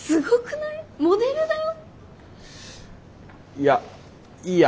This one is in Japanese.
いやいいや。